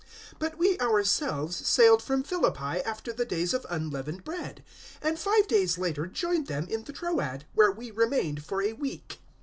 020:006 But we ourselves sailed from Philippi after the days of Unleavened Bread, and five days later joined them in the Troad, where we remained for a week.